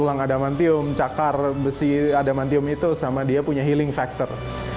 tulang adamantium cakar besi adamantium itu sama dia punya healing factor